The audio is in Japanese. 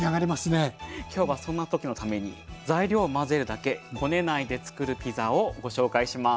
今日はそんな時のために材料を混ぜるだけこねないでつくるピザをご紹介します。